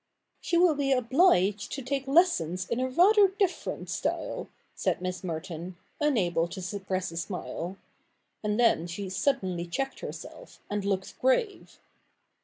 ' She will be obliged to take lessons in a rather differ ent style,' said Miss Merton, unable to suppress a smile ; and then she suddenly checked herself, and looked grave.